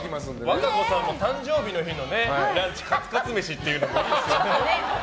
和歌子さんの誕生日の日にランチカツカツ飯っていうのもいいですよね。